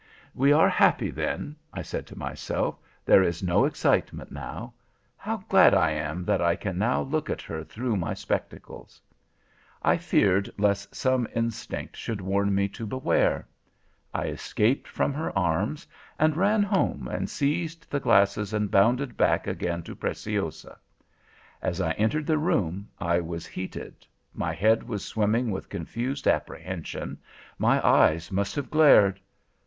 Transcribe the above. "We are happy then," I said to myself, "there is no excitement now. How glad I am that I can now look at her through my spectacles." "I feared lest some instinct should warn me to beware. I escaped from her arms, and ran home and seized the glasses and bounded back again to Preciosa. As I entered the room I was heated, my head was swimming with confused apprehension, my eyes must have glared.